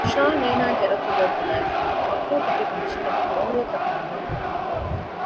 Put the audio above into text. ޝާން އޭނާގެ ރަތުލޯ ކުލައިގެ ހަފޫޓްދިގު ހަށިގަނޑު މޯޅިއަކަށް ދަންމަވާލެއްވި